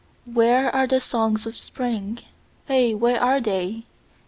Where are the songs of Spring? Ay, where are they?